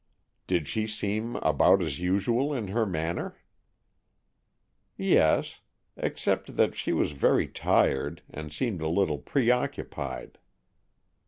"Did she seem about as usual in her manner?" "Yes,—except that she was very tired, and seemed a little preoccupied."